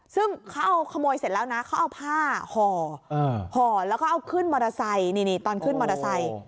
ซึ่งเขาเอาขโมยเสร็จแล้วนะเขาเอาผ้าห่อห่อแล้วก็เอาขึ้นมอเตอร์ไซค์นี่ตอนขึ้นมอเตอร์ไซค์